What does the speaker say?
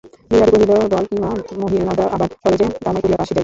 বিহারী কহিল, বল কী মা, মহিনদা আবার কালেজ কামাই করিয়া কাশী যাইবে?